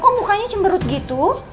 kok mukanya cemberut gitu